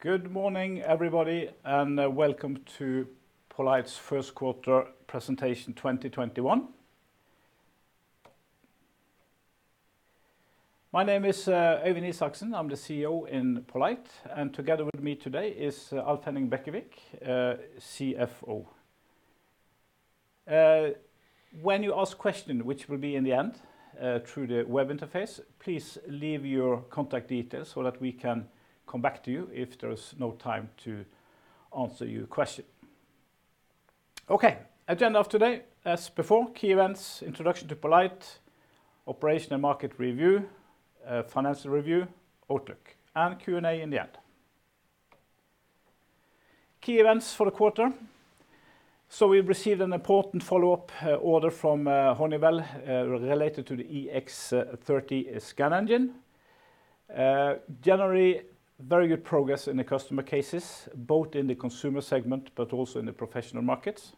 Good morning, everybody, and welcome to poLight's first quarter presentation 2021. My name is Øyvind Isaksen. I'm the CEO in poLight, and together with me today is Alf-Henning Bekkevik, CFO. When you ask questions, which will be in the end, through the web interface, please leave your contact details so that we can come back to you if there is no time to answer your question. Okay, agenda of today, as before, key events, introduction to poLight, operation and market review, financial review, outlook, and Q&A in the end. Key events for the quarter. We've received an important follow-up order from Honeywell, related to the EX30 scan engine. Generally, very good progress in the customer cases, both in the consumer segment but also in the professional markets.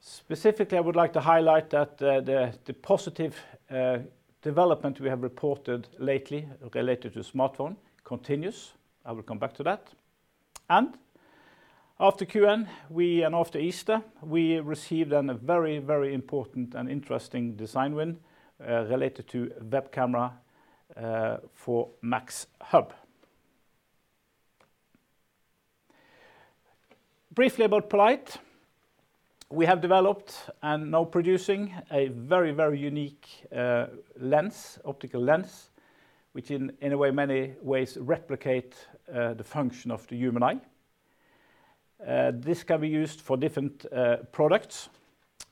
Specifically, I would like to highlight that the positive development we have reported lately related to smartphone continues. I will come back to that. After Q1 and after Easter, we received a very important and interesting design-in, related to web camera for MAXHUB. Briefly about poLight. We have developed and now producing a very unique optical lens, which in many ways replicate the function of the human eye. This can be used for different products.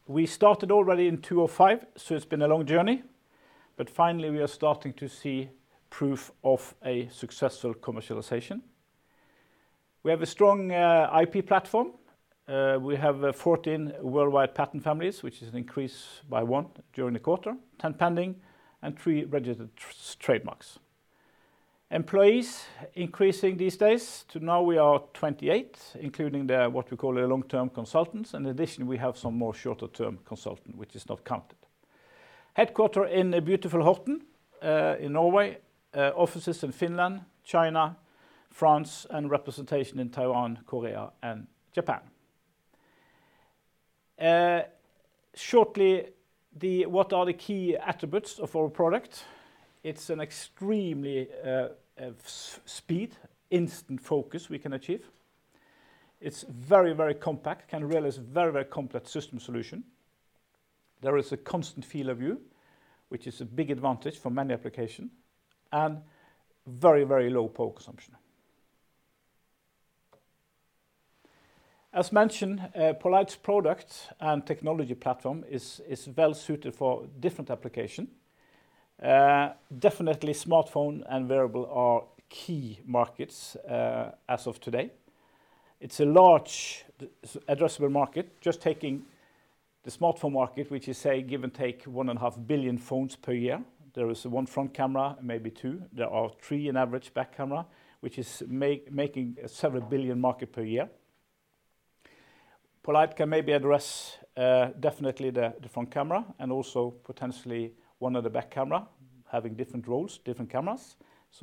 We started already in 2005, so it's been a long journey, but finally, we are starting to see proof of a successful commercialization. We have a strong IP platform. We have 14 worldwide patent families, which is an increase by one during the quarter, 10 pending, and three registered trademarks. Employees increasing these days. Now we are 28, including what we call long-term consultants. In addition, we have some more shorter-term consultants, which is not counted. Headquartered in beautiful Horten, in Norway. Offices in Finland, China, France, and representation in Taiwan, Korea, and Japan. Shortly, what are the key attributes of our product? It's an extremely speed, instant focus we can achieve. It's very compact, can realize very complex system solution. There is a constant field of view, which is a big advantage for many applications, and very low power consumption. As mentioned, poLight's product and technology platform is well-suited for different applications. Definitely smartphone and wearable are key markets, as of today. It's a large addressable market. Just taking the smartphone market, which is, say, give and take, one and a half billion phones per year. There is one front camera, maybe two. There are three on average back cameras, which is making NOK several billion market per year. poLight can maybe address, definitely the front camera, and also potentially one of the back cameras, having different roles, different cameras.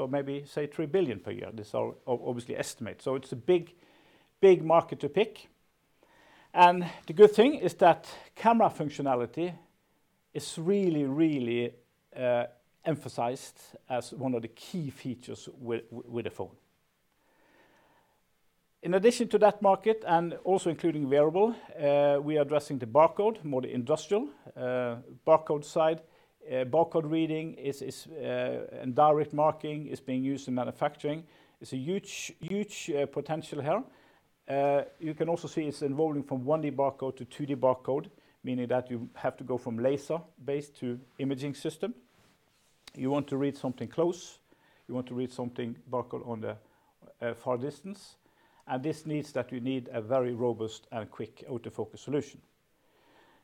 Maybe say 3 billion per year. These are obviously estimates, so it's a big market to pick. The good thing is that camera functionality is really emphasized as one of the key features with a phone. In addition to that market, and also including wearable, we are addressing the barcode, more the industrial, barcode side. Barcode reading and direct marking is being used in manufacturing. It's a huge potential here. You can also see it's evolving from 1D barcode to 2D barcode, meaning that you have to go from laser-based to imaging system. You want to read something close. You want to read something barcode on the far distance. This means that you need a very robust and quick autofocus solution.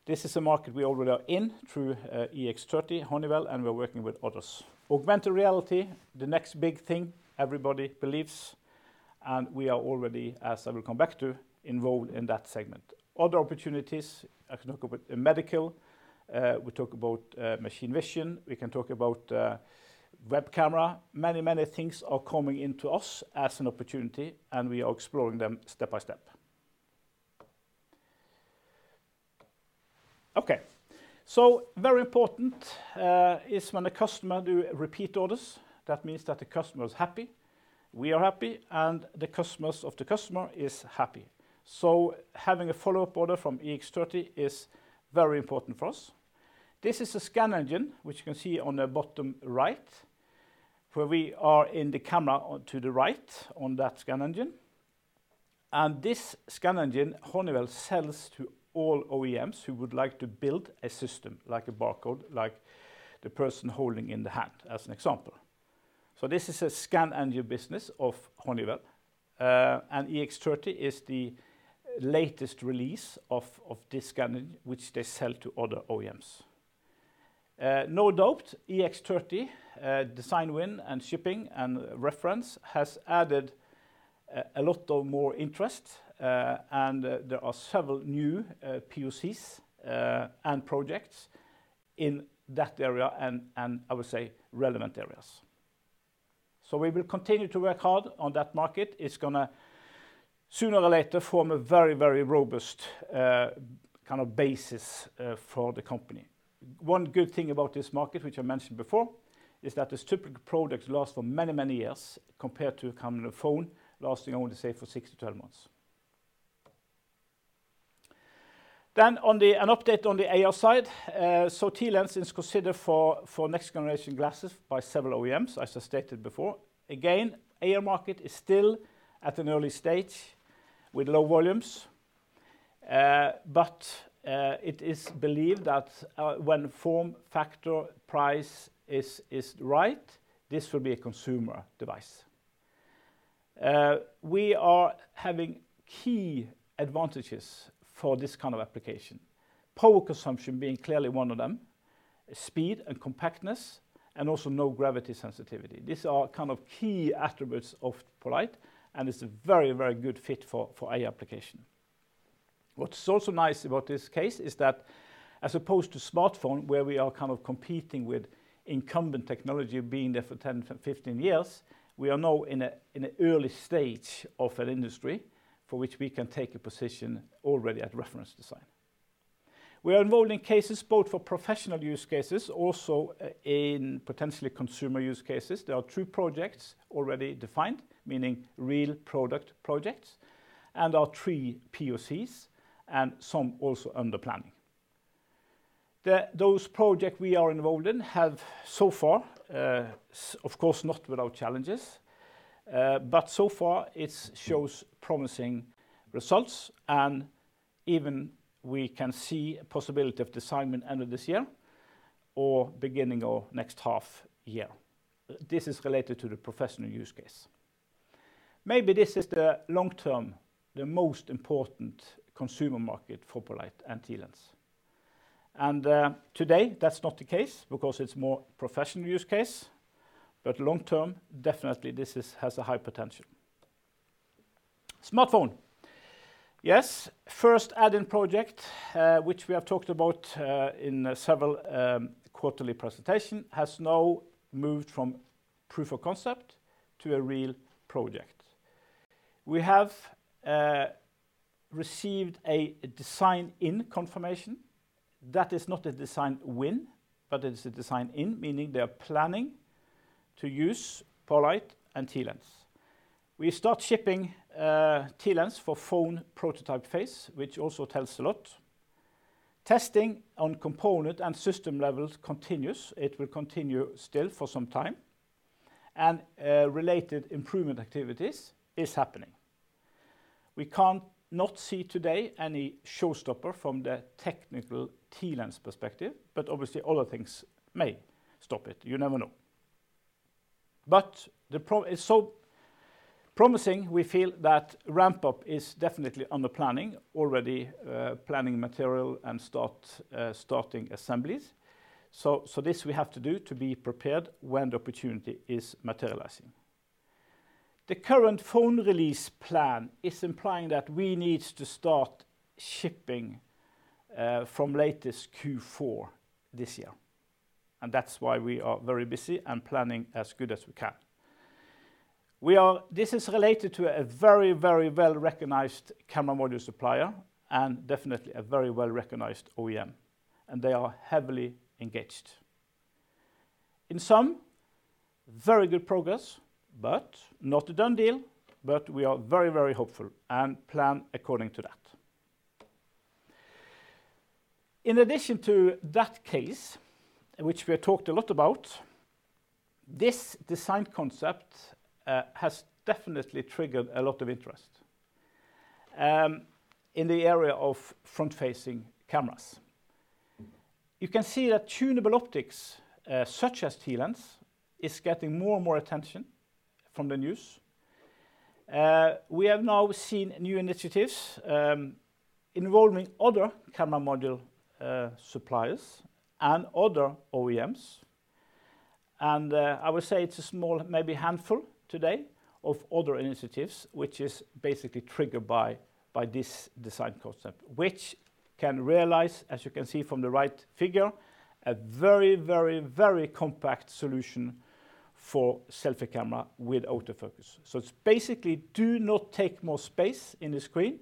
This is a market we already are in through EX30 Honeywell, and we're working with others. Augmented reality, the next big thing everybody believes. We are already, as I will come back to, involved in that segment. Other opportunities, I can talk about medical. We talk about machine vision. We can talk about web camera. Many things are coming into us as an opportunity. We are exploring them step by step. Okay. Very important is when a customer do repeat orders. That means that the customer is happy, we are happy. The customers of the customer is happy. Having a follow-up order from EX30 is very important for us. This is a scan engine, which you can see on the bottom right, where we are in the camera to the right on that scan engine. This scan engine, Honeywell sells to all OEMs who would like to build a system like a barcode, like the person holding in the hand, as an example. This is a scan engine business of Honeywell. EX30 is the latest release of this scan engine, which they sell to other OEMs. No doubt, EX30 design win and shipping and reference has added a lot of more interest, and there are several new POCs and projects in that area and, I would say, relevant areas. We will continue to work hard on that market. It's going to sooner or later form a very, very robust basis for the company. One good thing about this market, which I mentioned before, is that these typical products last for many, many years compared to a phone lasting, I want to say, for 6-12 months. An update on the AR side. TLens is considered for next-generation glasses by several OEMs, as I stated before. Again, AR market is still at an early stage with low volumes. It is believed that when form, factor, price is right, this will be a consumer device. We are having key advantages for this kind of application, power consumption being clearly one of them, speed and compactness, and also no gravity sensitivity. These are key attributes of poLight, and it's a very good fit for AR application. What's also nice about this case is that as opposed to smartphone, where we are competing with incumbent technology being there for 10-15 years, we are now in a early stage of an industry for which we can take a position already at reference design. We are involved in cases both for professional use cases, also in potentially consumer use cases. There are two projects already defined, meaning real product projects, and there are three POCs and some also under planning. Those project we are involved in have so far, of course, not without challenges, but so far it shows promising results and even we can see a possibility of design win end of this year or beginning of next half year. This is related to the professional use case. Maybe this is the long-term, the most important consumer market for poLight and TLens. Today that's not the case because it's more professional use case, but long-term, definitely this has a high potential. Smartphone. Yes, first add-in project, which we have talked about in several quarterly presentation, has now moved from proof of concept to a real project. We have received a design-in confirmation. That is not a design win, but it is a design-in, meaning they are planning to use poLight and TLens. We start shipping TLens for phone prototype phase, which also tells a lot. Testing on component and system levels continues. It will continue still for some time, and related improvement activities is happening. We can't not see today any showstopper from the technical TLens perspective, but obviously other things may stop it. You never know. It's so promising, we feel that ramp-up is definitely under planning, already planning material and starting assemblies. This we have to do to be prepared when the opportunity is materializing. The current phone release plan is implying that we need to start shipping from latest Q4 this year, and that's why we are very busy and planning as good as we can. This is related to a very well-recognized camera module supplier and definitely a very well-recognized OEM. They are heavily engaged. In sum, very good progress, but not a done deal. We are very hopeful and plan according to that. In addition to that case, which we have talked a lot about, this design concept has definitely triggered a lot of interest in the area of front-facing cameras. You can see that tunable optics, such as TLens, is getting more and more attention from the news. We have now seen new initiatives involving other camera module suppliers and other OEMs. I would say it's a small, maybe handful today of other initiatives, which is basically triggered by this design concept, which can realize, as you can see from the right figure, a very compact solution for selfie camera with autofocus. It's basically do not take more space in the screen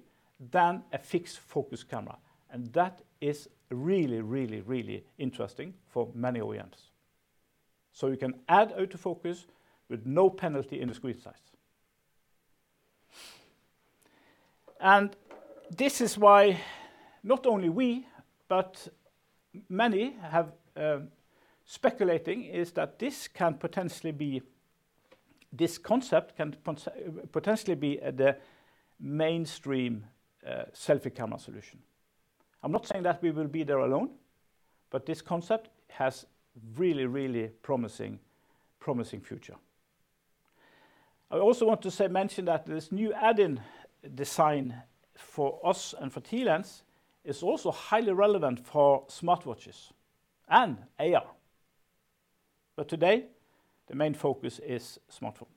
than a fixed-focus camera, and that is really interesting for many OEMs. You can add autofocus with no penalty in the screen size. This is why not only we but many have speculating is that this concept can potentially be the mainstream selfie camera solution. I'm not saying that we will be there alone, but this concept has really promising future. I also want to mention that this new add-in design for us and for TLens is also highly relevant for smartwatches and AR. Today the main focus is smartphone.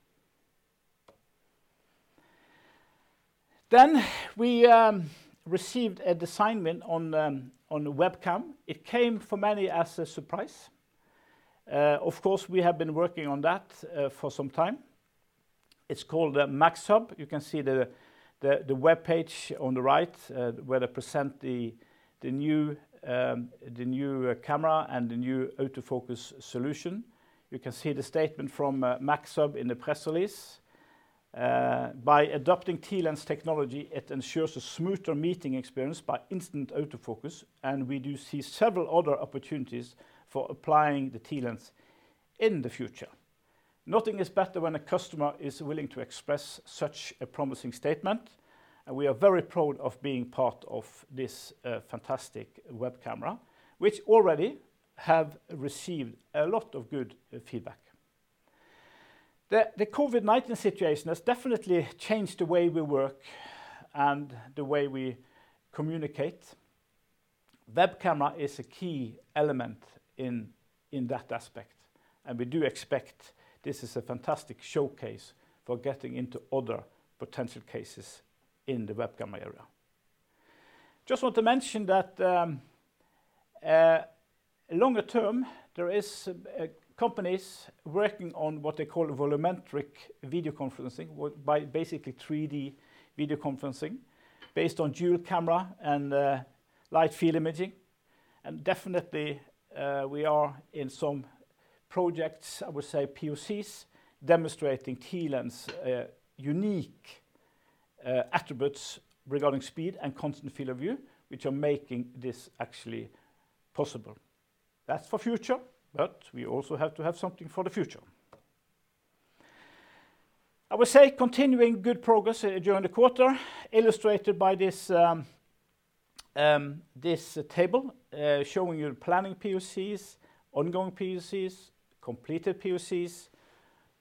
We received a design win on the webcam. It came for many as a surprise. Of course, we have been working on that for some time. It's called MAXHUB. You can see the webpage on the right where they present the new camera and the new autofocus solution. You can see the statement from MAXHUB in the press release. By adopting TLens technology, it ensures a smoother meeting experience by instant autofocus. We do see several other opportunities for applying the TLens in the future. Nothing is better when a customer is willing to express such a promising statement. We are very proud of being part of this fantastic web camera, which already have received a lot of good feedback. The COVID-19 situation has definitely changed the way we work and the way we communicate. Web camera is a key element in that aspect. We do expect this is a fantastic showcase for getting into other potential cases in the webcamera area. Just want to mention that longer term, there is companies working on what they call volumetric video conferencing by basically 3D video conferencing based on dual camera and light field imaging. Definitely, we are in some projects, I would say POCs, demonstrating TLens unique attributes regarding speed and constant field of view, which are making this actually possible. That's for future, but we also have to have something for the future. I would say continuing good progress during the quarter, illustrated by this table, showing you planning POCs, ongoing POCs, completed POCs,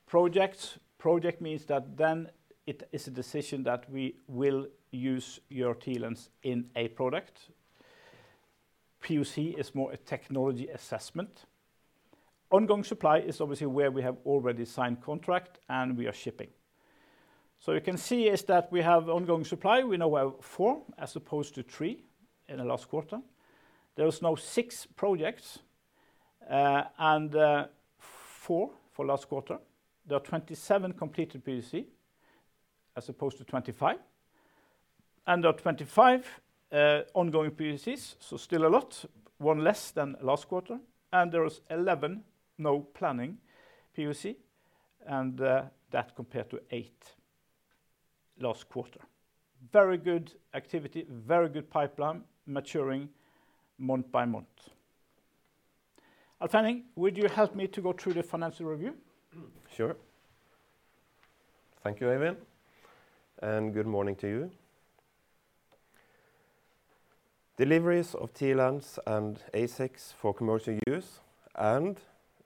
projects. Project means that then it is a decision that we will use your TLens in a product. POC is more a technology assessment. Ongoing supply is obviously where we have already signed contract and we are shipping. You can see is that we have ongoing supply. We now have four as opposed to three in the last quarter. There is now six projects, four for last quarter. There are 27 completed POC as opposed to 25. There are 25 ongoing POCs, still a lot, one less than last quarter. There is 11 now planning POC, and that compared to eight last quarter. Very good activity, very good pipeline maturing month by month. Alf-Henning, would you help me to go through the financial review? Sure. Thank you, Øyvind, good morning to you. Deliveries of TLens and ASICs for commercial use and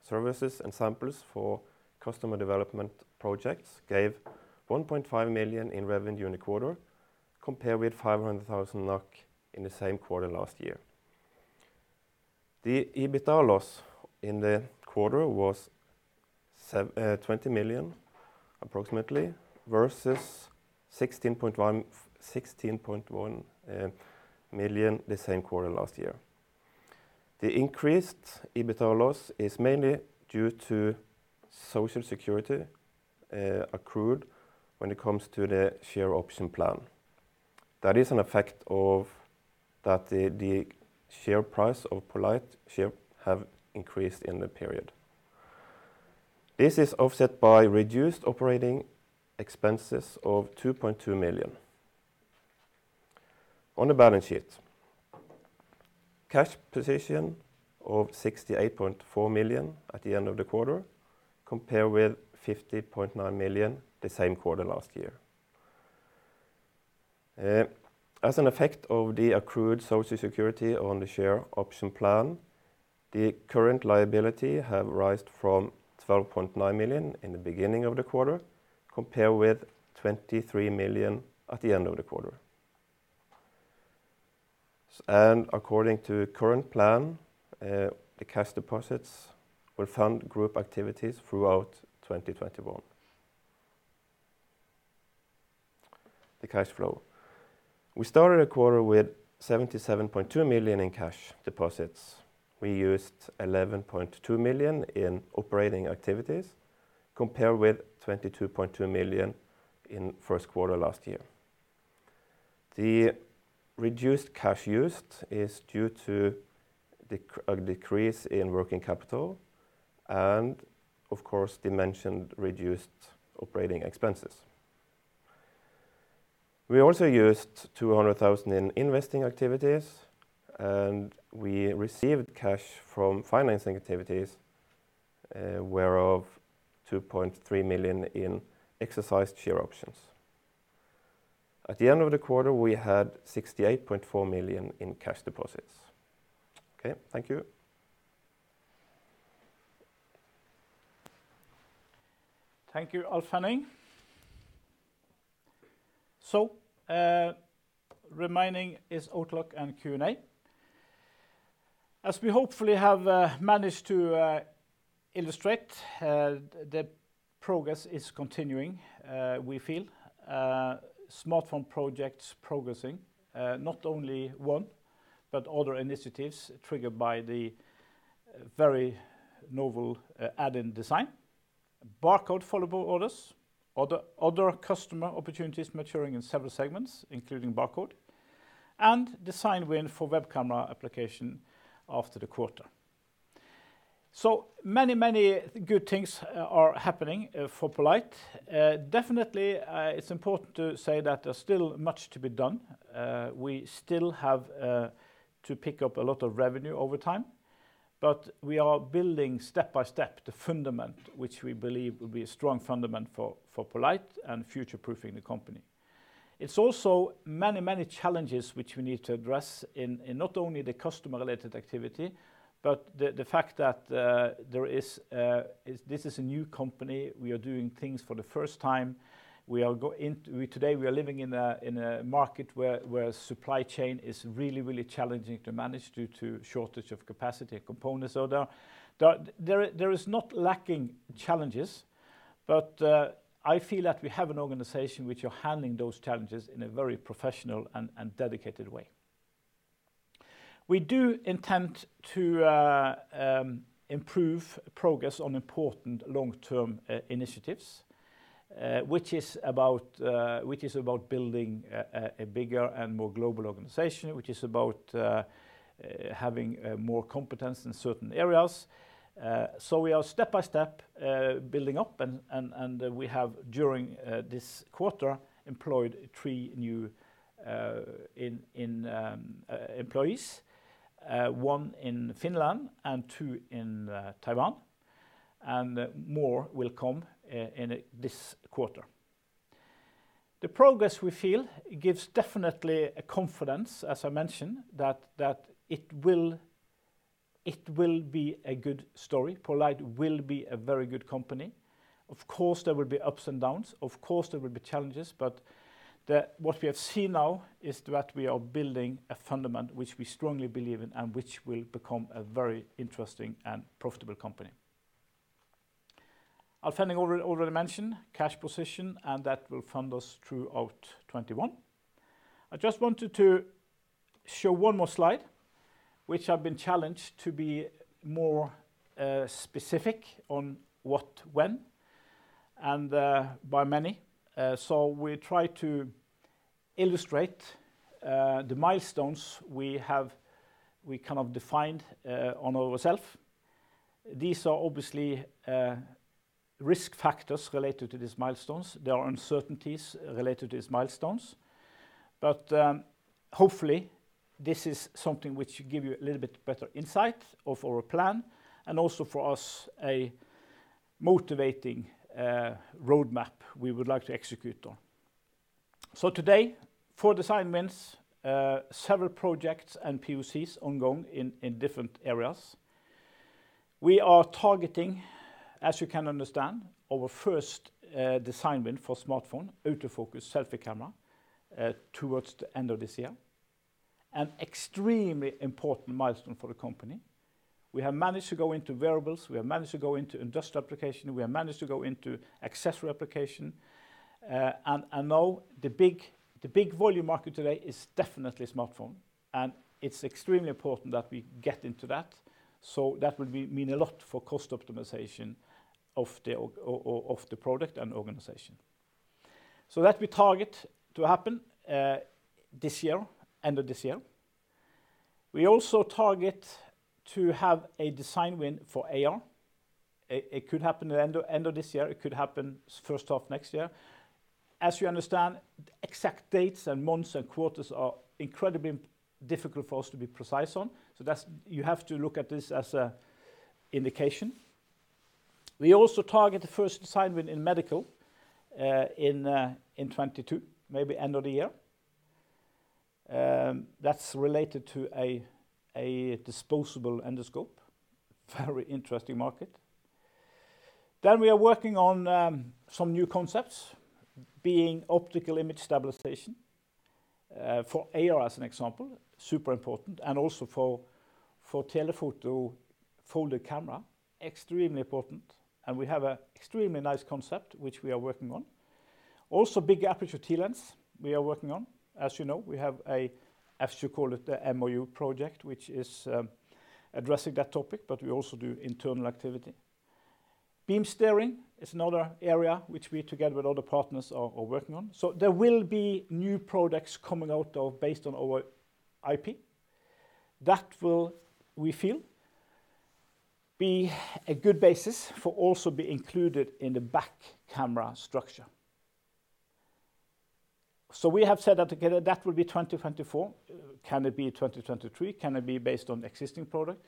services and samples for customer development projects gave 1.5 million in revenue in the quarter, compared with 500,000 NOK in the same quarter last year. The EBITDA loss in the quarter was 20 million approximately versus 16.1 million the same quarter last year. The increased EBITDA loss is mainly due to Social Security accrued when it comes to the share option plan. That is an effect of that the share price of poLight share have increased in the period. This is offset by reduced operating expenses of 2.2 million. On the balance sheet, cash position of 68.4 million at the end of the quarter, compared with 50.9 million the same quarter last year. As an effect of the accrued Social Security on the share option plan, the current liability have rised from 12.9 million in the beginning of the quarter, compared with 23 million at the end of the quarter. According to current plan, the cash deposits will fund group activities throughout 2021. The cash flow. We started the quarter with 77.2 million in cash deposits. We used 11.2 million in operating activities, compared with 22.2 million in first quarter last year. The reduced cash used is due to a decrease in working capital and of course, the mentioned reduced operating expenses. We also used 200,000 in investing activities. We received cash from financing activities, whereof 2.3 million in exercised share options. At the end of the quarter, we had 68.4 million in cash deposits. Okay, thank you. Thank you, Alf-Henning. Remaining is outlook and Q&A. As we hopefully have managed to illustrate, the progress is continuing, we feel. Smartphone projects progressing, not only one, but other initiatives triggered by the very novel add-in design, barcode follow-up orders, other customer opportunities maturing in several segments, including barcode, and design win for web camera application after the quarter. Many good things are happening for poLight. Definitely, it is important to say that there is still much to be done. We still have to pick up a lot of revenue over time, but we are building step-by-step the fundament, which we believe will be a strong fundament for poLight and future-proofing the company. It is also many challenges which we need to address in not only the customer-related activity, but the fact that this is a new company. We are doing things for the first time. Today, we are living in a market where supply chain is really challenging to manage due to shortage of capacity and components. There is not lacking challenges, but I feel that we have an organization which are handling those challenges in a very professional and dedicated way. We do intend to improve progress on important long-term initiatives, which is about building a bigger and more global organization, which is about having more competence in certain areas. We are step-by-step building up, and we have, during this quarter, employed three new employees. One in Finland and two in Taiwan, and more will come in this quarter. The progress we feel gives definitely a confidence, as I mentioned, that it will be a good story. poLight will be a very good company. Of course, there will be ups and downs. Of course, there will be challenges. What we have seen now is that we are building a fundament which we strongly believe in and which will become a very interesting and profitable company. Alf-Henning already mentioned cash position, and that will fund us throughout 2021. I just wanted to show one more slide, which I've been challenged to be more specific on what, when, and by many. We try to illustrate the milestones we kind of defined on ourselves. These are obviously risk factors related to these milestones. There are uncertainties related to these milestones. Hopefully, this is something which should give you a little bit better insight of our plan and also for us a motivating roadmap we would like to execute on. Today, four design wins, several projects and POCs ongoing in different areas. We are targeting, as you can understand, our first design win for smartphone autofocus selfie camera towards the end of this year, an extremely important milestone for the company. We have managed to go into wearables, we have managed to go into industrial application, we have managed to go into accessory application. Now the big volume market today is definitely smartphone, and it's extremely important that we get into that. That will mean a lot for cost optimization of the product and organization. That we target to happen this year, end of this year. We also target to have a design win for AR. It could happen at end of this year. It could happen first half next year. As you understand, exact dates and months and quarters are incredibly difficult for us to be precise on. You have to look at this as an indication. We also target the first design win in medical in 2022, maybe end of the year. That's related to a disposable endoscope, very interesting market. We are working on some new concepts being optical image stabilization, for AR as an example, super important. Also for telephoto folded camera, extremely important. We have an extremely nice concept, which we are working on. Also big aperture TLens we are working on. As you know, we have a, as you call it, the MOU project, which is addressing that topic, but we also do internal activity. Beam steering is another area which we, together with other partners, are working on. There will be new products coming out based on our IP. That will, we feel, be a good basis for also being included in the back camera structure. We have said that together, that will be 2024. Can it be 2023? Can it be based on existing product?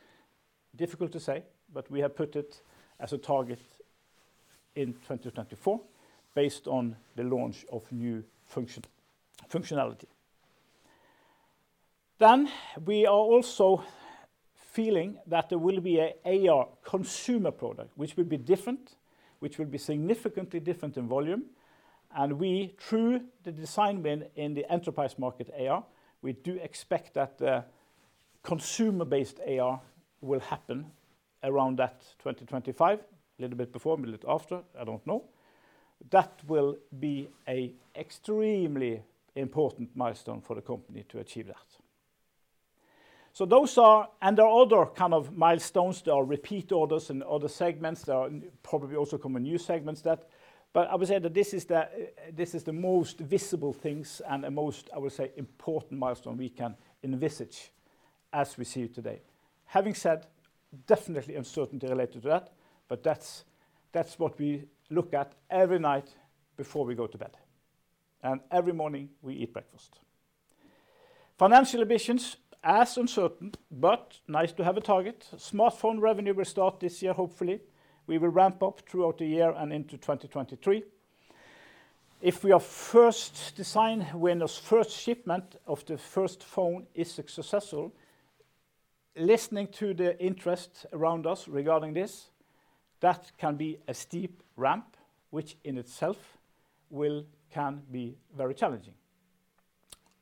Difficult to say, but we have put it as a target. In 2024, based on the launch of new functionality. We are also feeling that there will be an AR consumer product, which will be different, which will be significantly different in volume. We, through the design-in in the enterprise market AR, we do expect that consumer-based AR will happen around that 2025, a little bit before, a little after, I don't know. That will be a extremely important milestone for the company to achieve that. There are other kind of milestones. There are repeat orders in other segments. There are probably also coming new segments. I would say that this is the most visible things and the most, I would say, important milestone we can envisage as we see it today. Having said, definitely uncertainty related to that, but that's what we look at every night before we go to bed. Every morning we eat breakfast. Financial ambitions, as uncertain, but nice to have a target. Smartphone revenue will start this year, hopefully. We will ramp up throughout the year and into 2023. If we are first design win, first shipment of the first phone is successful, listening to the interest around us regarding this, that can be a steep ramp, which in itself can be very challenging.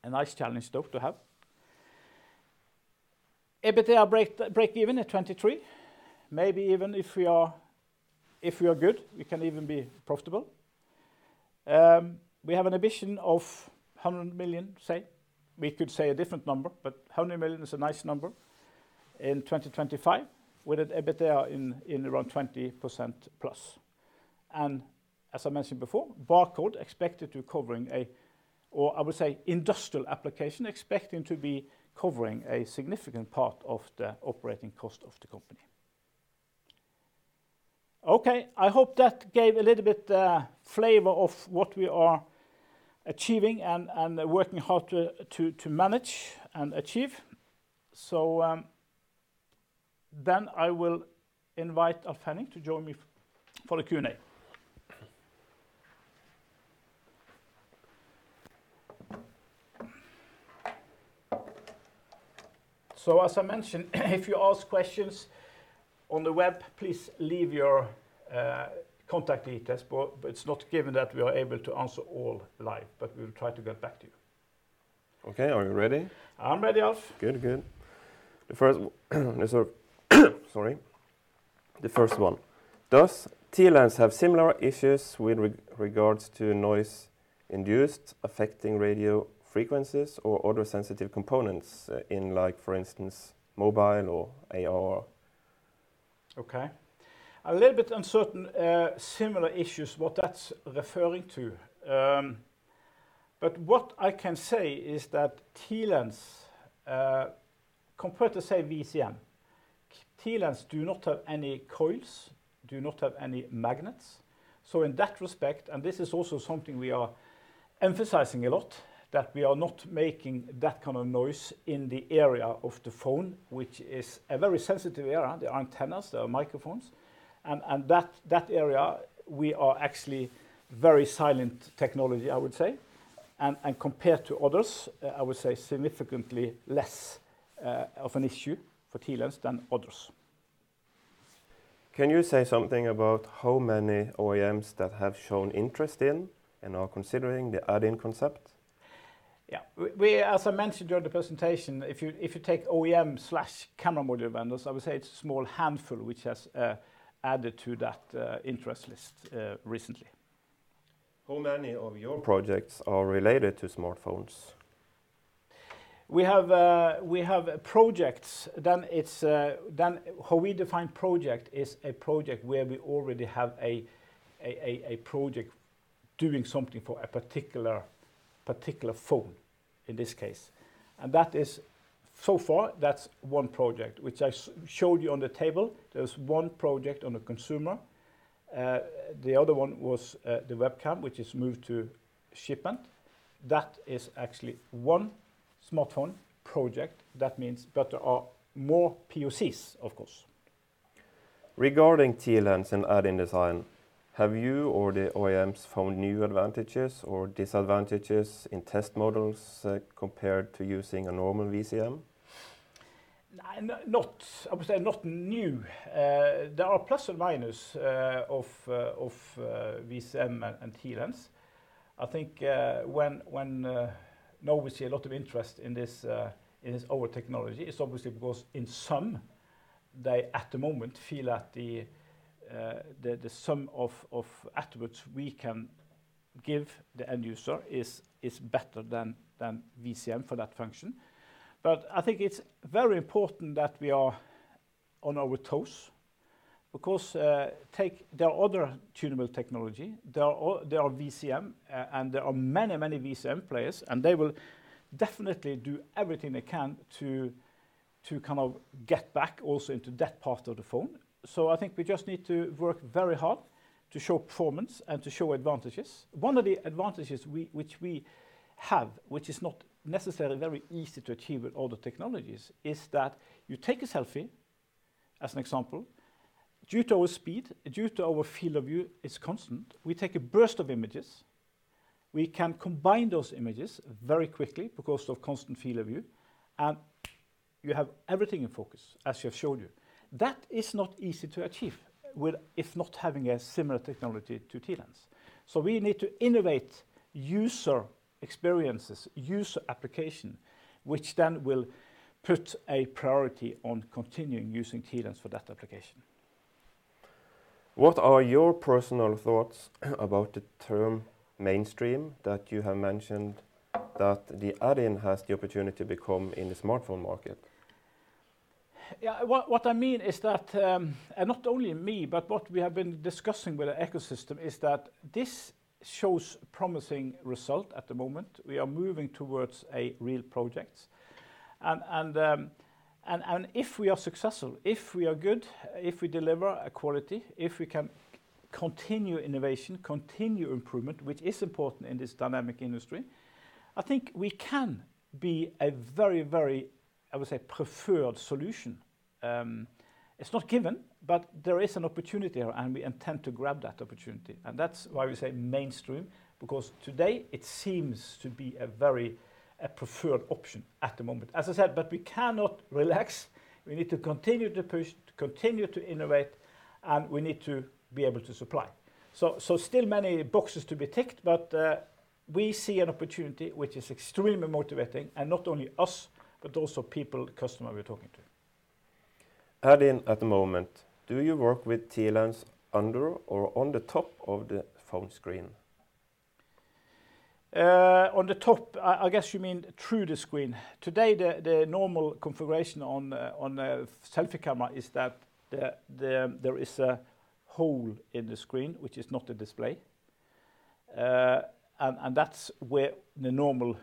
A nice challenge, though, to have. EBITDA break even at 2023. Maybe even if we are good, we can even be profitable. We have an ambition of 100 million, say. We could say a different number, but 100 million is a nice number, in 2025, with an EBITDA in around 20%+. As I mentioned before, industrial application expecting to be covering a significant part of the operating cost of the company. I hope that gave a little bit flavor of what we are achieving and working hard to manage and achieve. I will invite Alf-Henning to join me for the Q&A. As I mentioned, if you ask questions on the web, please leave your contact details. It's not given that we are able to answer all live, but we will try to get back to you. Okay. Are you ready? I'm ready, Alf. Good. The first one. Does TLens have similar issues with regards to noise induced affecting radio frequencies or other sensitive components in like for instance, mobile or AR? Okay. A little bit uncertain similar issues, what that's referring to. What I can say is that TLens, compared to say VCM, TLens do not have any coils, do not have any magnets. In that respect, and this is also something we are emphasizing a lot, that we are not making that kind of noise in the area of the phone, which is a very sensitive area. There are antennas, there are microphones, and that area we are actually very silent technology, I would say. Compared to others, I would say significantly less of an issue for TLens than others. Can you say something about how many OEMs that have shown interest in and are considering the add-in concept? Yeah. As I mentioned during the presentation, if you take OEM/camera module vendors, I would say it's a small handful which has added to that interest list recently. How many of your projects are related to smartphones? How we define project is a project where we already have a project doing something for a particular phone, in this case. So far, that's one project, which I showed you on the table. There's one project on the consumer. The other one was the webcam, which is moved to shipment. That is actually one smartphone project. That means better or more POCs, of course. Regarding TLens and add-in design, have you or the OEMs found new advantages or disadvantages in test models compared to using a normal VCM? I would say not new. There are plus and minus of VCM and TLens. I think when now we see a lot of interest in our technology, it's obviously because in sum, they at the moment feel that the sum of attributes we can give the end user is better than VCM for that function. I think it's very important that we are on our toes because there are other tunable technology. There are VCM, and there are many VCM players, and they will definitely do everything they can to kind of get back also into that part of the phone. I think we just need to work very hard to show performance and to show advantages. One of the advantages which we have, which is not necessarily very easy to achieve with older technologies, is that you take a selfie as an example. Due to our speed, due to our field of view is constant, we take a burst of images. We can combine those images very quickly because of constant field of view, and you have everything in focus, as we have shown you. That is not easy to achieve if not having a similar technology to TLens. We need to innovate user experiences, user application, which then will put a priority on continuing using TLens for that application. What are your personal thoughts about the term mainstream that you have mentioned that the add-in has the opportunity to become in the smartphone market? Yeah. What I mean is that, and not only me, but what we have been discussing with the ecosystem, is that this shows promising result at the moment. We are moving towards a real project, and if we are successful, if we are good, if we deliver a quality, if we can continue innovation, continue improvement, which is important in this dynamic industry, I think we can be a very, I would say, preferred solution. It's not given, but there is an opportunity there, and we intend to grab that opportunity. That's why we say mainstream, because today it seems to be a preferred option at the moment. As I said, but we cannot relax. We need to continue to push, to continue to innovate, and we need to be able to supply. Still many boxes to be ticked, but we see an opportunity, which is extremely motivating. Not only us, but also people, the customer we're talking to. Add-in at the moment, do you work with TLens under or on the top of the phone screen? On the top. I guess you mean through the screen. Today, the normal configuration on a selfie camera is that there is a hole in the screen, which is not a display. That's where the normal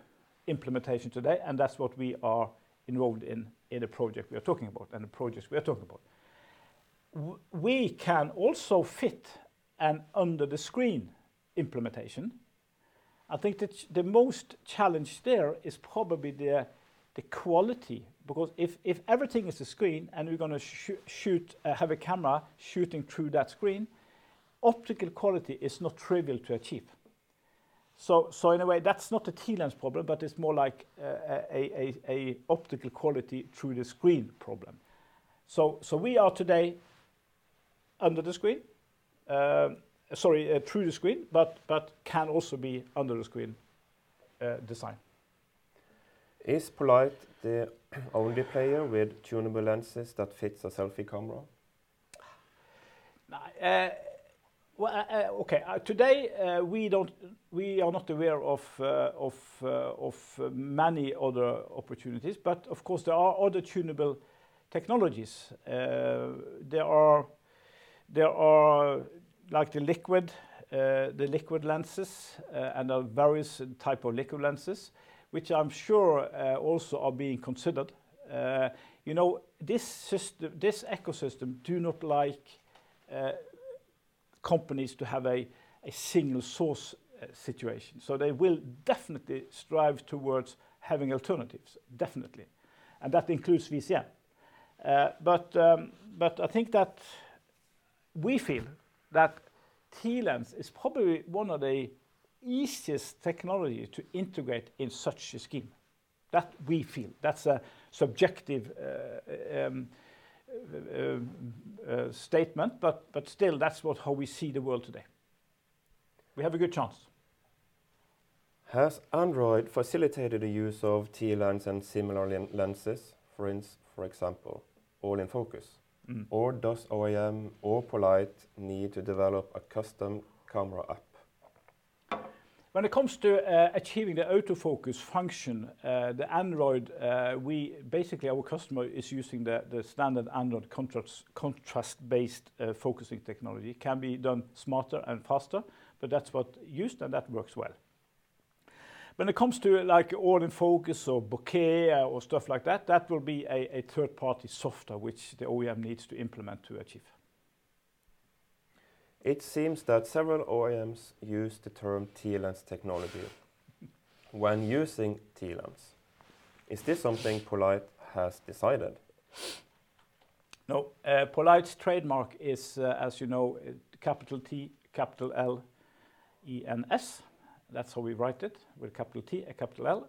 implementation today, and that's what we are enrolled in the project we are talking about and the projects we are talking about. We can also fit an under the screen implementation. I think that the most challenge there is probably the quality. Because if everything is a screen and we're going to have a camera shooting through that screen, optical quality is not trivial to achieve. In a way, that's not a TLens problem, but it's more like a optical quality through the screen problem. We are today under the screen. Sorry, through the screen, but can also be under the screen design. Is poLight the only player with tunable lenses that fits a selfie camera? Well, okay. Today we are not aware of many other opportunities, but of course there are other tunable technologies. There are the liquid lenses and the various type of liquid lenses, which I'm sure also are being considered. This ecosystem do not like companies to have a single source situation. They will definitely strive towards having alternatives. Definitely. That includes VCM. I think that we feel that TLens is probably one of the easiest technology to integrate in such a scheme. That we feel. That's a subjective statement, but still that's how we see the world today. We have a good chance. Has Android facilitated the use of TLens and similar lenses, for example, all in focus? Or does OEM or poLight need to develop a custom camera app? When it comes to achieving the autofocus function, the Android, basically our customer is using the standard Android contrast-based focusing technology. It can be done smarter and faster, but that's what's used, and that works well. When it comes to all in focus or bokeh or stuff like that will be a third-party software which the OEM needs to implement to achieve. It seems that several OEMs use the term TLens technology when using TLens. Is this something poLight has decided? No. poLight's trademark is, as you know, capital T, capital L, E-N-S. That's how we write it, with capital T and capital L.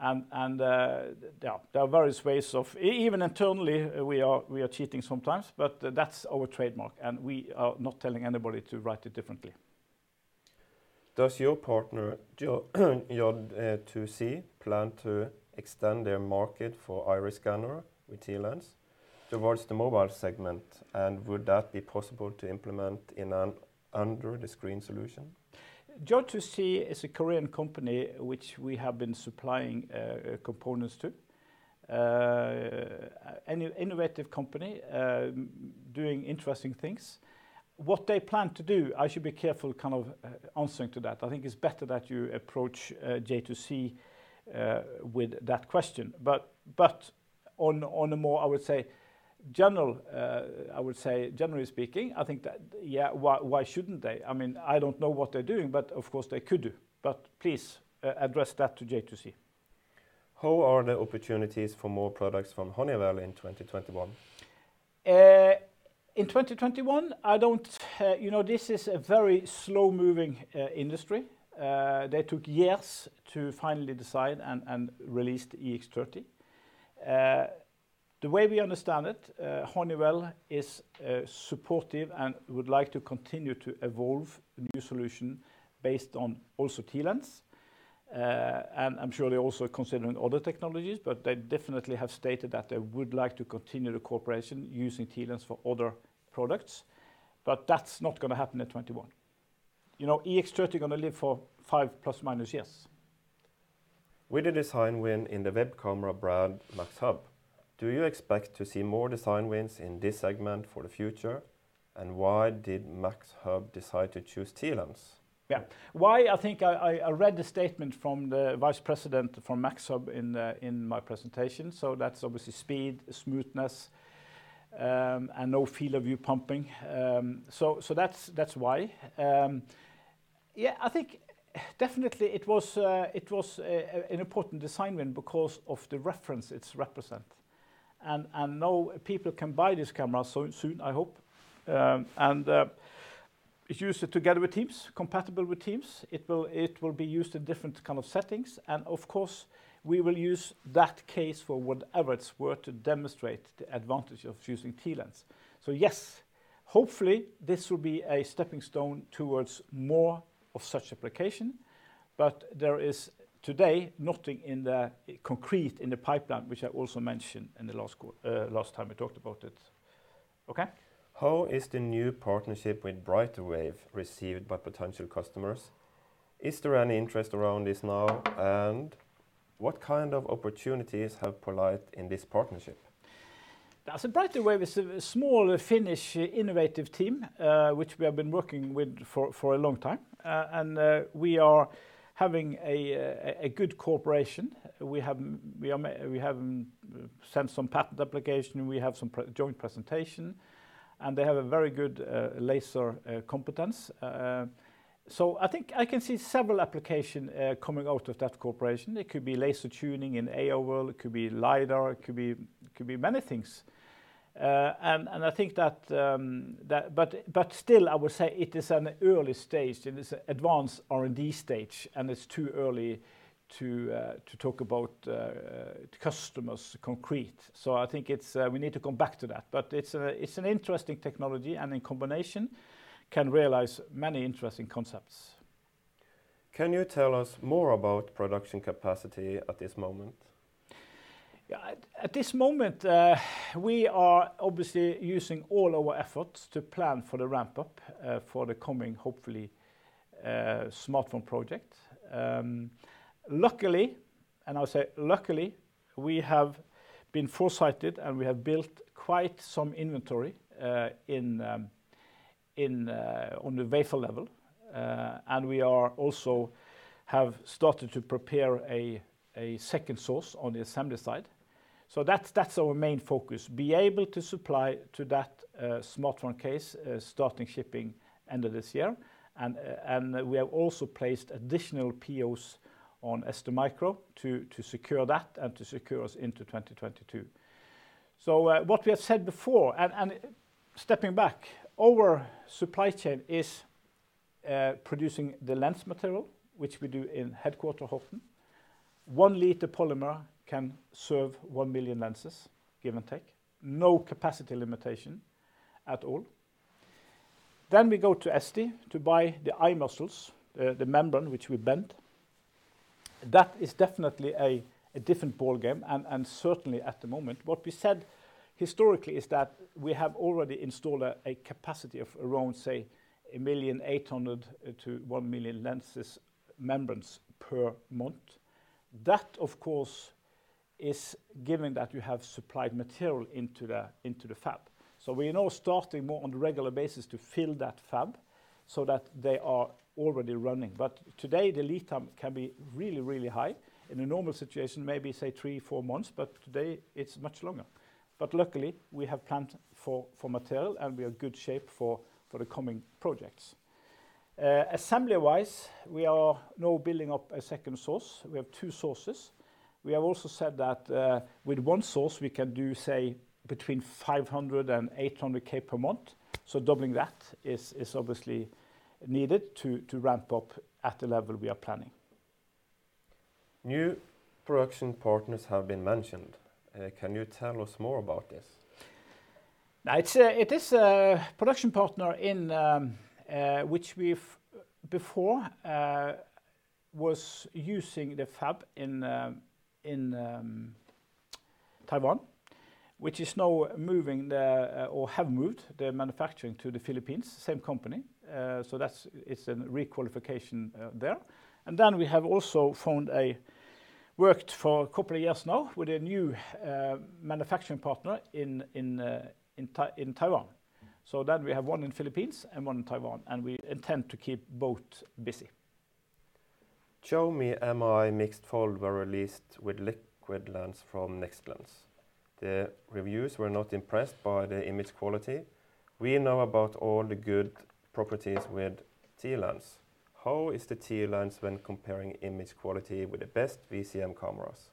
Even internally, we are cheating sometimes, but that's our trademark, and we are not telling anybody to write it differently. Does your partner J2C plan to extend their market for iris scanner with TLens towards the mobile segment? Would that be possible to implement in an under the screen solution? J2C is a Korean company which we have been supplying components to. An innovative company doing interesting things. What they plan to do, I should be careful kind of answering to that. I think it's better that you approach J2C with that question. On a more, I would say, generally speaking, I think that, why shouldn't they? I don't know what they're doing, but of course, they could do. Please address that to J2C. How are the opportunities for more products from Honeywell in 2021? In 2021, this is a very slow-moving industry. They took years to finally decide and release the EX30. The way we understand it, Honeywell is supportive and would like to continue to evolve a new solution based on also TLens. I'm sure they're also considering other technologies. They definitely have stated that they would like to continue the cooperation using TLens for other products. That's not going to happen in 2021. EX30 going to live for five plus, minus years. With the design win in the web camera brand MAXHUB, do you expect to see more design wins in this segment for the future? Why did MAXHUB decide to choose TLens? Why? I think I read the statement from the vice president from MAXHUB in my presentation. That's obviously speed, smoothness, and no field of view pumping. That's why. Yeah, I think definitely it was an important design-in because of the reference it represents. Now people can buy this camera so soon, I hope. It's used together with Teams, compatible with Teams. It will be used in different kind of settings. Of course, we will use that case for whatever it's worth to demonstrate the advantage of using TLens. Yes, hopefully, this will be a stepping stone towards more of such application. There is today nothing concrete in the pipeline, which I also mentioned in the last time we talked about it. Okay. How is the new partnership with Brighterwave received by potential customers? Is there any interest around this now, and what kind of opportunities have poLight in this partnership? Brighterwave is a small Finnish innovative team, which we have been working with for a long time. We are having a good cooperation. We have sent some patent application, we have some joint presentation, and they have a very good laser competence. I think I can see several application coming out of that cooperation. It could be laser tuning in AO, it could be LiDAR, it could be many things. Still, I would say it is an early stage. It is advanced R&D stage, and it's too early to talk about customers concrete. I think we need to come back to that. It's an interesting technology, and in combination, can realize many interesting concepts. Can you tell us more about production capacity at this moment? Yeah. At this moment, we are obviously using all our efforts to plan for the ramp-up for the coming, hopefully, smartphone project. Luckily, and I'll say luckily, we have been foresighted, and we have built quite some inventory on the wafer level. We also have started to prepare a second source on the assembly side. That's our main focus, be able to supply to that smartphone case, starting shipping end of this year. We have also placed additional POs on STMicroelectronics to secure that and to secure us into 2022. What we have said before, and stepping back, our supply chain is producing the lens material, which we do in headquarter Horten. One liter polymer can serve 1 million lenses, give and take. No capacity limitation at all. We go to ST to buy the eye muscles, the membrane which we bend. That is definitely a different ballgame, and certainly at the moment. What we said historically is that we have already installed a capacity of around, say, 1.8 million to 1 million lenses, membranes per month. That, of course, is given that you have supplied material into the fab. We are now starting more on a regular basis to fill that fab so that they are already running. Today, the lead time can be really, really high. In a normal situation, maybe, say, three, four months, but today it's much longer. Luckily, we have planned for material, and we are good shape for the coming projects. Assembly-wise, we are now building up a second source. We have two sources. We have also said that with one source, we can do, say, between 500,000 and 800,000 per month. Doubling that is obviously needed to ramp up at the level we are planning. New production partners have been mentioned. Can you tell us more about this? It is a production partner which before was using the fab in Taiwan, which is now moving or have moved their manufacturing to the Philippines, same company. It's a re-qualification there. We have also worked for a couple of years now with a new manufacturing partner in Taiwan. We have one in Philippines and one in Taiwan, and we intend to keep both busy. Xiaomi Mi Mix Fold were released with liquid lens from NextLens. The reviews were not impressed by the image quality. We know about all the good properties with TLens. How is the TLens when comparing image quality with the best VCM cameras?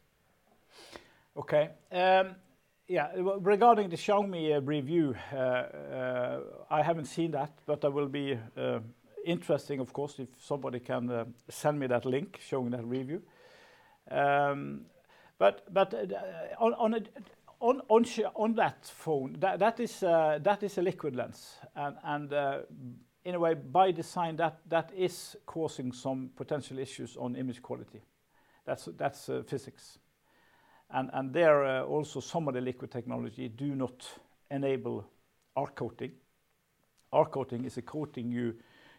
Regarding the Xiaomi review, I haven't seen that, but that will be interesting, of course, if somebody can send me that link showing that review. On that phone, that is a liquid lens, and in a way by design that is causing some potential issues on image quality. That's physics. There are also some of the liquid technology do not enable AR coating. AR coating is a coating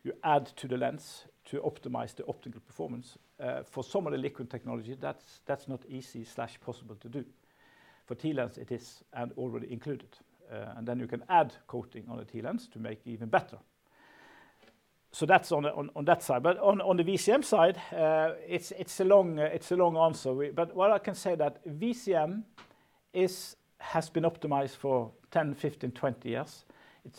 you add to the lens to optimize the optical performance. For some of the liquid technology, that's not easy/possible to do. For TLens, it is and already included. You can add coating on a TLens to make it even better. That's on that side. On the VCM side, it's a long answer. What I can say that VCM has been optimized for 10, 15, 20 years.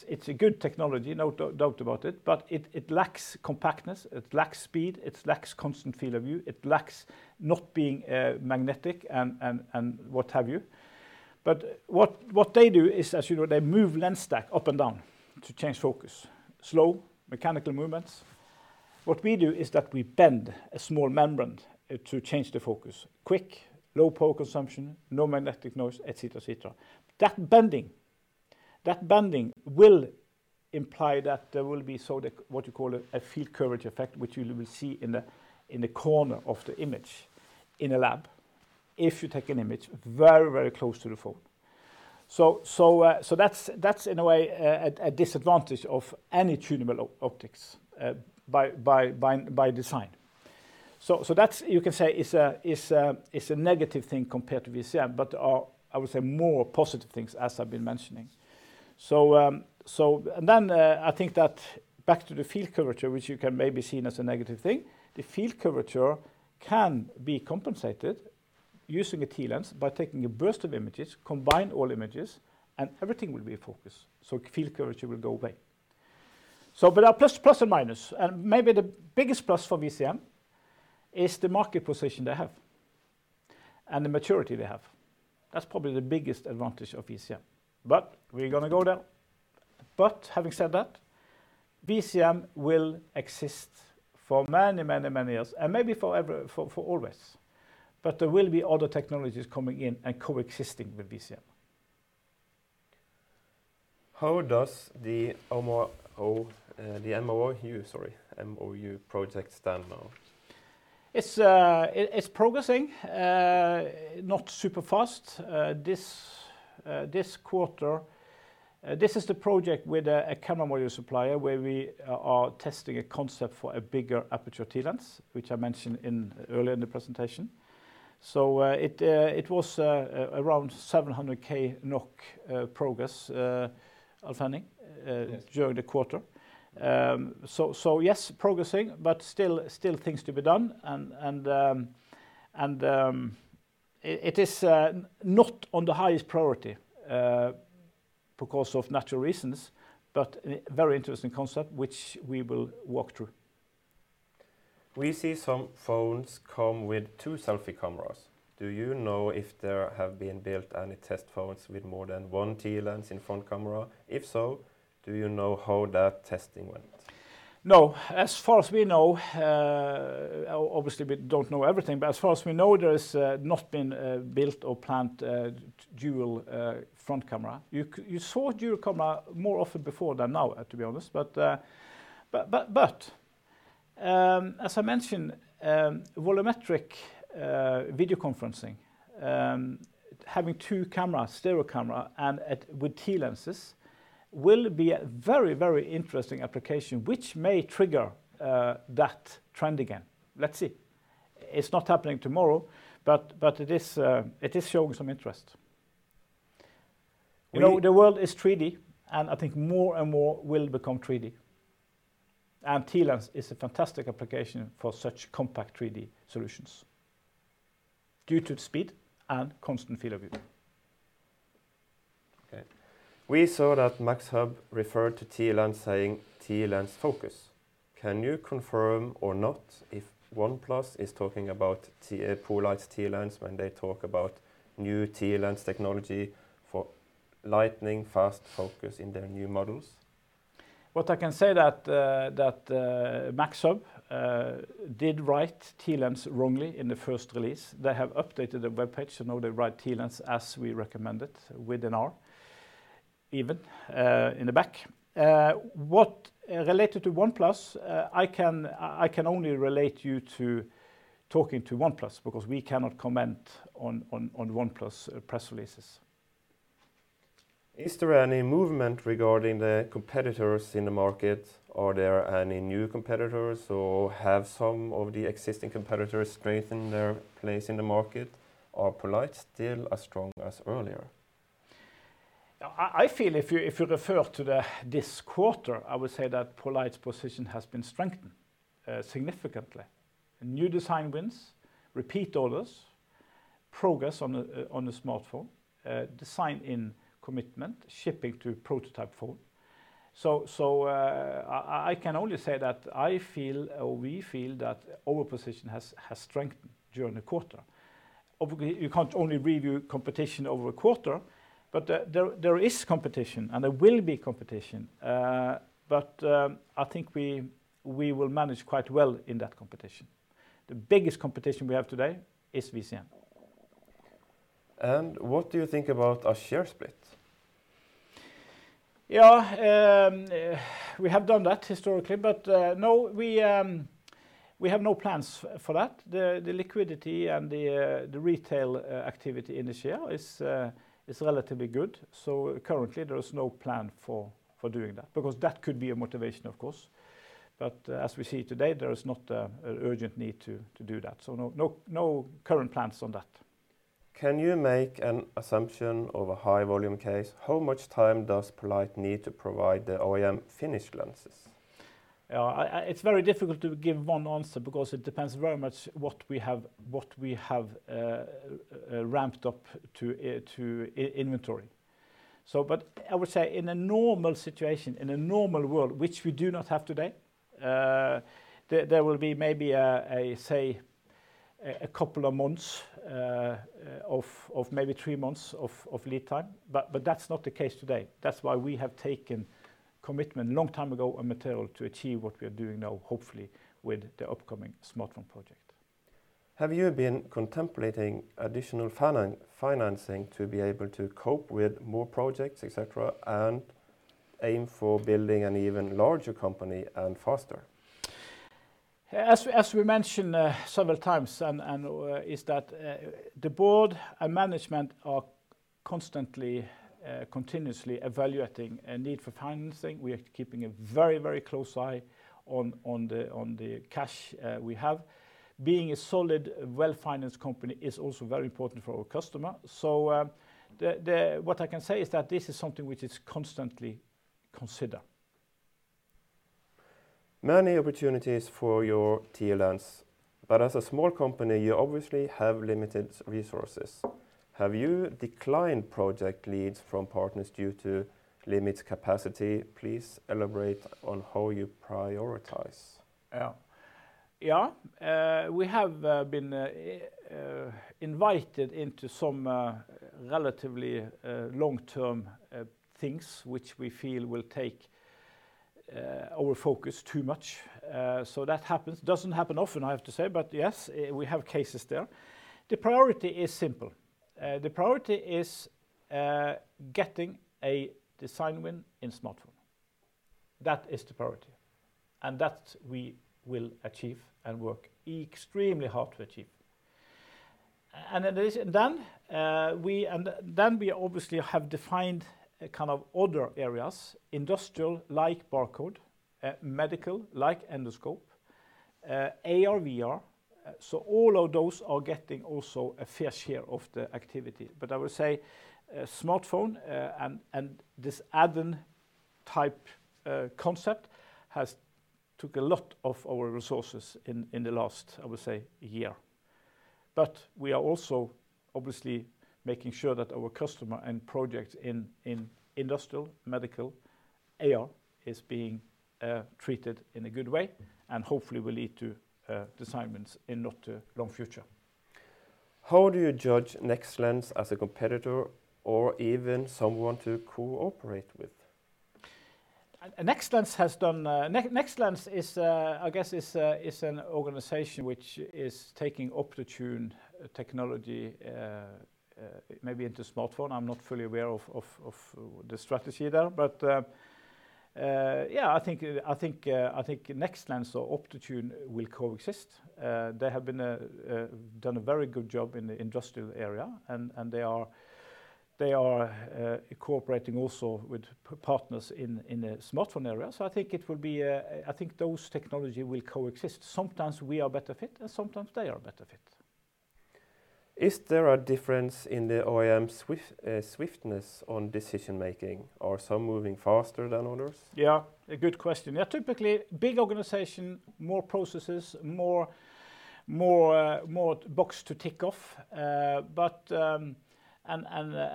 It's a good technology, no doubt about it, but it lacks compactness, it lacks speed, it lacks constant field of view. It lacks not being magnetic and what have you. What they do is, as you know, they move lens stack up and down to change focus, slow mechanical movements. What we do is that we bend a small membrane to change the focus. Quick, low power consumption, no magnetic noise, et cetera. That bending will imply that there will be what you call a field curvature effect, which you will see in the corner of the image in a lab if you take an image very close to the phone. That's in a way a disadvantage of any tunable optics by design. That's you can say is a negative thing compared to VCM, but I would say more positive things as I've been mentioning. I think that back to the field curvature, which you can maybe seen as a negative thing. The field curvature can be compensated using a TLens by taking a burst of images, combine all images, and everything will be in focus. Field curvature will go away. There are plus and minus, and maybe the biggest plus for VCM is the market position they have and the maturity they have. That's probably the biggest advantage of VCM. We're going to go there. Having said that, VCM will exist for many years and maybe forever, for always. There will be other technologies coming in and coexisting with VCM. How does the MOU project stand now? It's progressing not super fast. This is the project with a camera module supplier where we are testing a concept for a bigger aperture TLens, which I mentioned earlier in the presentation. It was around 700,000 NOK progress, Alf-Henning during the quarter. Yes, progressing, but still things to be done and it is not on the highest priority, because of natural reasons, but very interesting concept, which we will walk through. We see some phones come with two selfie cameras. Do you know if there have been built any test phones with more than one TLens in front camera? If so, do you know how that testing went? No. As far as we know, obviously we don't know everything, but as far as we know, there's not been built or planned dual front camera. You saw dual camera more often before than now, to be honest. As I mentioned, volumetric video conferencing having two cameras, stereo camera, and with TLenses will be a very interesting application which may trigger that trend again. Let's see. It's not happening tomorrow, but it is showing some interest. The world is 3D, and I think more and more will become 3D. TLens is a fantastic application for such compact 3D solutions due to its speed and constant field of view. Okay. We saw that MAXHUB referred to TLens saying TLens focus. Can you confirm or not if OnePlus is talking about poLight's TLens when they talk about new TLens technology for lightning fast focus in their new models? What I can say that MAXHUB did write TLens wrongly in the first release. They have updated the webpage, so now they write TLens as we recommend it with an R, even in the back. Related to OnePlus, I can only relate you to talking to OnePlus because we cannot comment on OnePlus press releases. Is there any movement regarding the competitors in the market? Are there any new competitors, or have some of the existing competitors strengthened their place in the market? Are poLight still as strong as earlier? I feel if you refer to this quarter, I would say that poLight's position has been strengthened significantly. New design wins, repeat orders, progress on the smartphone, design-in commitment, shipping to prototype phone. I can only say that I feel, or we feel, that our position has strengthened during the quarter. Obviously, you can't only review competition over a quarter, there is competition, and there will be competition. I think we will manage quite well in that competition. The biggest competition we have today is VCM. What do you think about a share split? Yeah. We have done that historically, we have no plans for that. The liquidity and the retail activity in the share is relatively good. Currently there is no plan for doing that, because that could be a motivation, of course. As we see today, there is not an urgent need to do that. No current plans on that. Can you make an assumption of a high-volume case? How much time does poLight need to provide the OEM finished lenses? It's very difficult to give one answer, because it depends very much what we have ramped up to inventory. I would say in a normal situation, in a normal world, which we do not have today, there will be maybe, say, a couple of months of maybe three months of lead time, That's not the case today. That's why we have taken commitment long time ago on material to achieve what we are doing now, hopefully, with the upcoming smartphone project. Have you been contemplating additional financing to be able to cope with more projects, et cetera, and aim for building an even larger company and faster? As we mentioned several times, and is that the board and management are constantly, continuously evaluating a need for financing. We are keeping a very close eye on the cash we have. Being a solid, well-financed company is also very important for our customer. What I can say is that this is something which is constantly consider. Many opportunities for your TLens, as a small company, you obviously have limited resources. Have you declined project leads from partners due to limited capacity? Please elaborate on how you prioritize. Yeah. We have been invited into some relatively long-term things which we feel will take our focus too much. That happens. Doesn't happen often, I have to say, but yes, we have cases there. The priority is simple. The priority is getting a design win in smartphone. That is the priority, and that we will achieve and work extremely hard to achieve. Then we obviously have defined other areas, industrial like barcode, medical like endoscope, AR/VR. All of those are getting also a fair share of the activity. I would say smartphone, and this add-in type concept has took a lot of our resources in the last, I would say, year. We are also obviously making sure that our customer and project in industrial, medical, AR is being treated in a good way and hopefully will lead to design wins in not long future. How do you judge NextLens as a competitor or even someone to cooperate with? NextLens is an organization which is taking Optotune technology maybe into smartphone. I'm not fully aware of the strategy there, but, yeah, I think NextLens or Optotune will coexist. They have done a very good job in the industrial area, and they are cooperating also with partners in the smartphone area. I think those technology will coexist. Sometimes we are better fit, and sometimes they are better fit. Is there a difference in the OEM swiftness on decision-making? Are some moving faster than others? Yeah, a good question. Yeah, typically, big organization, more processes, more box to tick off.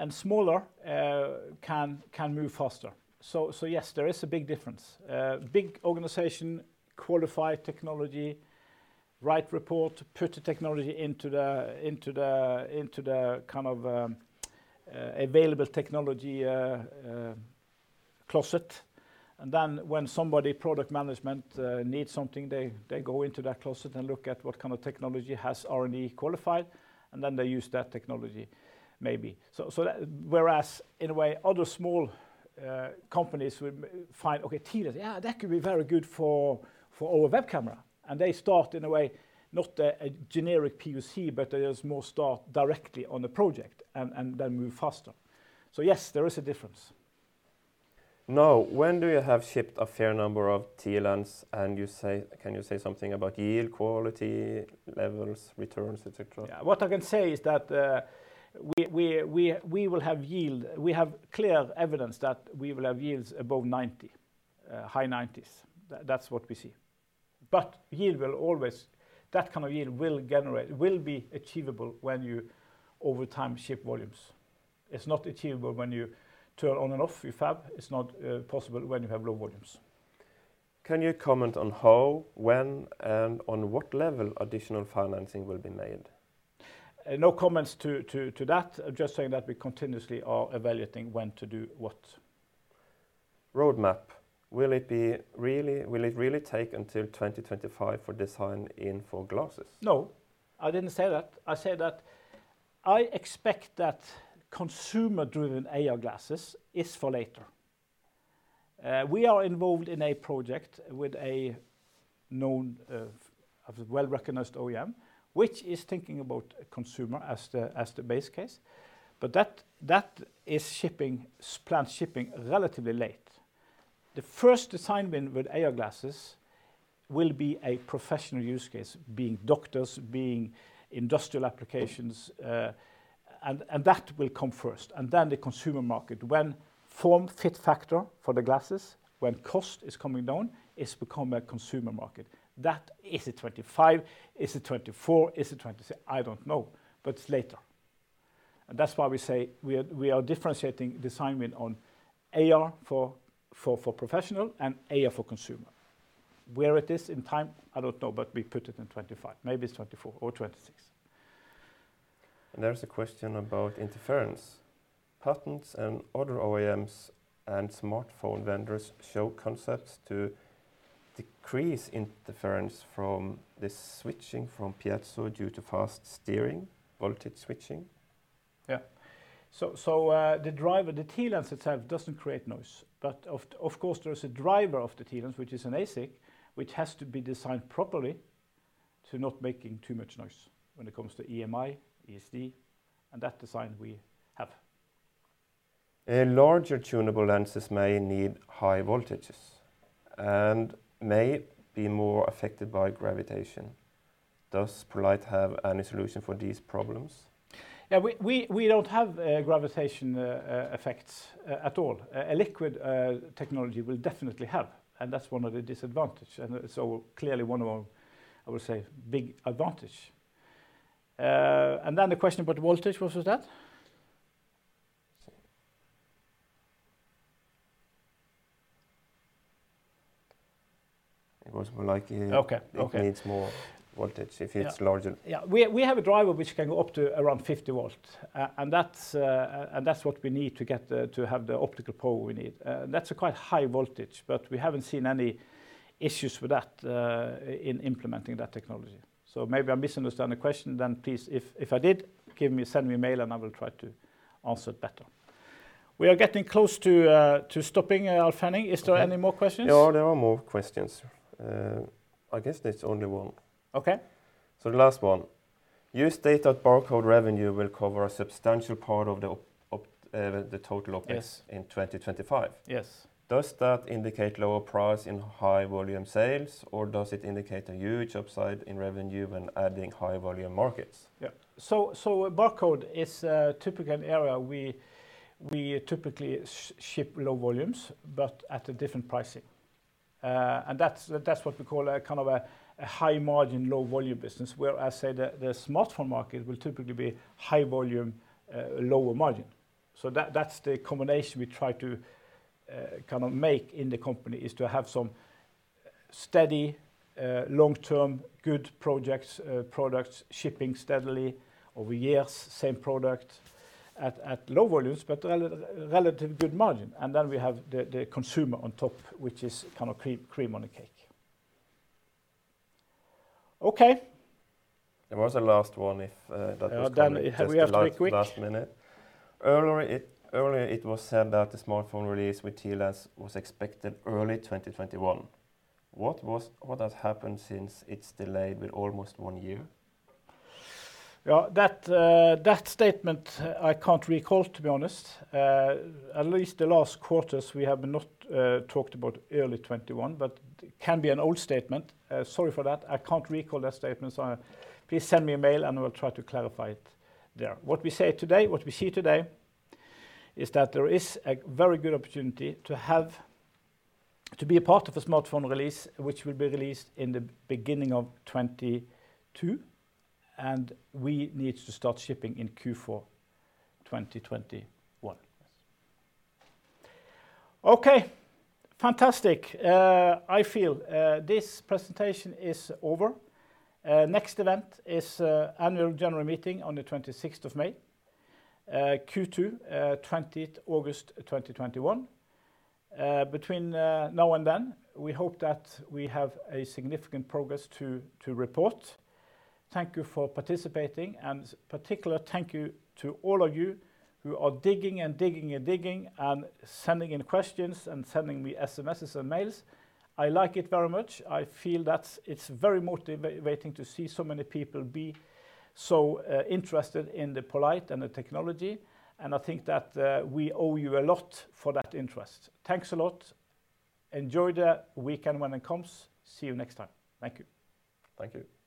Smaller can move faster. Yes, there is a big difference. Big organization, qualify technology, write report, put the technology into the available technology closet. When somebody, product management, needs something, they go into that closet and look at what kind of technology has R&D qualified. They use that technology, maybe. Whereas, in a way, other small companies will find, okay, TLens, yeah, that could be very good for our web camera. They start, in a way, not a generic POC, but they just more start directly on the project. They move faster. Yes, there is a difference. No. When do you have shipped a fair number of TLens? Can you say something about yield quality levels, returns, et cetera? What I can say is that we have clear evidence that we will have yields above 90, high 90s. That's what we see. That kind of yield will be achievable when you, over time, ship volumes. It's not achievable when you turn on and off your fab. It's not possible when you have low volumes. Can you comment on how, when, and on what level additional financing will be made? No comments to that. I'm just saying that we continuously are evaluating when to do what. Roadmap. Will it really take until 2025 for design-in for glasses? No, I didn't say that. I said that I expect that consumer-driven AR glasses is for later. We are involved in a project with a well-recognized OEM, which is thinking about consumer as the base case. That is planned shipping relatively late. The first design win with AR glasses will be a professional use case, being doctors, being industrial applications, and that will come first, and then the consumer market. When form fit factor for the glasses, when cost is coming down, it's become a consumer market. That, is it 2025? Is it 2024? Is it 2026? I don't know, but it's later. That's why we say we are differentiating design win on AR for professional and AR for consumer. Where it is in time, I don't know, but we put it in 2025. Maybe it's 2024 or 2026. There's a question about interference. Patents and other OEMs and smartphone vendors show concepts to decrease interference from this switching from piezo due to fast steering voltage switching. Yeah. The TLens itself doesn't create noise. Of course, there is a driver of the TLens, which is an ASIC, which has to be designed properly to not make too much noise when it comes to EMI, ESD, and that design we have. Larger tunable lenses may need high voltages and may be more affected by gravitation. Does poLight have any solution for these problems? Yeah, we don't have gravitation effects at all. A liquid technology will definitely have, and that's one of the disadvantage. Clearly one of our, I would say, big advantage. The question about voltage, what was that? It was more like- Okay. It needs more voltage if it's larger. Yeah. We have a driver which can go up to around 50 volts, and that's what we need to have the optical power we need. That's a quite high voltage, but we haven't seen any issues with that in implementing that technology. Maybe I misunderstood the question then, please, if I did, send me a mail, and I will try to answer it better. We are getting close to stopping, Alf-Henning. Is there any more questions? There are more questions. I guess there's only one. Okay. The last one. You state that barcode revenue will cover a substantial part of the total OpEx- Yes. in 2025. Yes. Does that indicate lower price in high volume sales, or does it indicate a huge upside in revenue when adding high volume markets? Yeah. Barcode is a typical area. We typically ship low volumes but at a different pricing. That's what we call a kind of a high margin, low volume business, where I say the smartphone market will typically be high volume, lower margin. That's the combination we try to make in the company is to have some steady, long-term, good products shipping steadily over years, same product at low volumes, but relatively good margin. Then we have the consumer on top, which is kind of cream on the cake. Okay. There was a last one, if that was coming. We have to be quick. just last minute. Earlier it was said that the smartphone release with TLens was expected early 2021. What has happened since it's delayed with almost one year? That statement I can't recall, to be honest. At least the last quarters we have not talked about early 2021, but can be an old statement. Sorry for that. I can't recall that statement. Please send me a mail, and I will try to clarify it there. What we see today is that there is a very good opportunity to be a part of a smartphone release, which will be released in the beginning of 2022, and we need to start shipping in Q4 2021. Okay. Fantastic. I feel this presentation is over. Next event is annual general meeting on the 26th of May. Q2, August 20, 2021. Between now and then, we hope that we have a significant progress to report. Thank you for participating, and particular thank you to all of you who are digging and digging and digging, and sending in questions and sending me SMSs and mails. I like it very much. I feel that it's very motivating to see so many people be so interested in the poLight and the technology, and I think that we owe you a lot for that interest. Thanks a lot. Enjoy the weekend when it comes. See you next time. Thank you. Thank you.